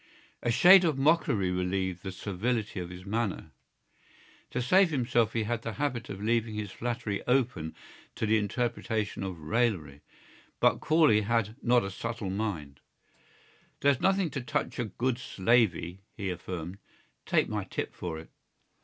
A shade of mockery relieved the servility of his manner. To save himself he had the habit of leaving his flattery open to the interpretation of raillery. But Corley had not a subtle mind. "There's nothing to touch a good slavey," he affirmed. "Take my tip for it."